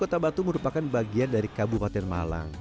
kota batu merupakan bagian dari kabupaten malang